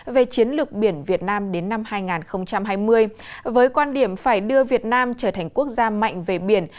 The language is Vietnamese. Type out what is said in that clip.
về chiến lược biển việt nam đến năm hai nghìn hai mươi với quan điểm phải đưa việt nam trở thành quốc gia mạnh về biển